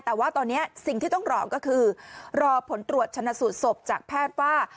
แต่ว่าตอนนี้สิ่งที่ต้องรอก็คือรอผลตรวจชนะสูตรศพจากแพทย์ว่า